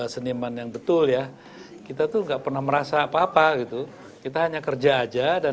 seniman yang betul ya kita tuh nggak pernah merasa apa apa gitu kita hanya kerja aja dan